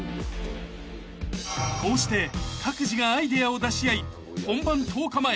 ［こうして各自がアイデアを出し合い本番１０日前。